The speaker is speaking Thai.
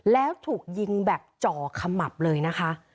แล้วถูกยิงแบบจ่อขมับเลยนะคะ